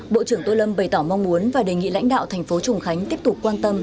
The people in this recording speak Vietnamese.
bộ trưởng tô lâm bày tỏ mong muốn và đề nghị lãnh đạo thành phố trùng khánh tiếp tục quan tâm